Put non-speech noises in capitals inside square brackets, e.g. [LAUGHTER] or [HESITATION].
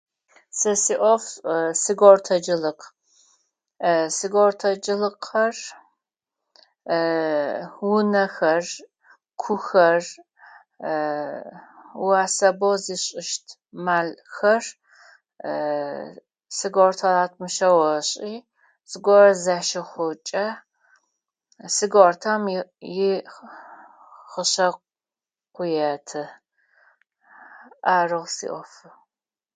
Сэ сиӏоф [HESITATION] сигортасылык. [HESITATION] Сигортасылыкыр [HESITATION] унэхэр, кухэр [HESITATION] осэ бо зышӏыщт малхэр [HESITATION] сигорталатмыщэ ошӏи, зыгорэ защыхъукӏэ сигортам и-ихыщэ къыуеты. Арэу сиӏоф.